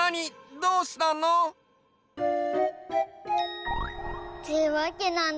どうしたの？ってわけなんだ。